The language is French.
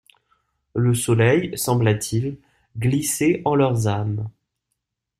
Le soleil, sembla-t-il, glissait en leurs âmes.